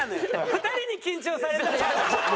２人に緊張されたら嫌だ。